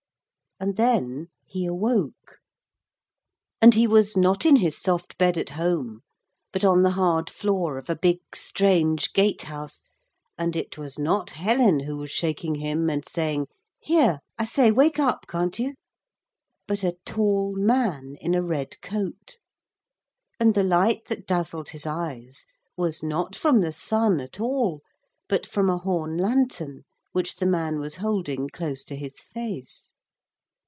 And then he awoke, and he was not in his soft bed at home but on the hard floor of a big, strange gate house, and it was not Helen who was shaking him and saying, 'Here I say, wake up, can't you,' but a tall man in a red coat; and the light that dazzled his eyes was not from the sun at all, but from a horn lantern which the man was holding close to his face.